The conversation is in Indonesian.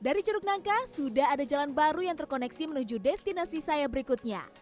dari ceruk nangka sudah ada jalan baru yang terkoneksi menuju destinasi saya berikutnya